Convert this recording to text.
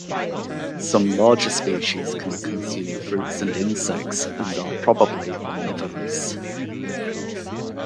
Some larger species can consume fruits and insects, and are probably omnivorous.